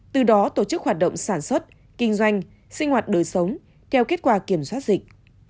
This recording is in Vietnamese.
từ đó tổ chức hoạt động sản xuất kinh doanh sinh hoạt đời sống theo kết quả kiểm soát dịch